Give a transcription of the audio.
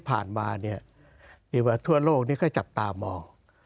ทุกครั้งที่ผ่านมาทั่วโลกก็จับตามมอง